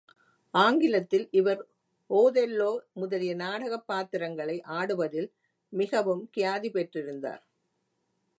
ஆங்கிலத்தில் இவர் ஒதெல்லோ முதலிய நாடகப் பாத்திரங்களை ஆடுவதில் மிகவும் கியாதி பெற்றிருந்தார்.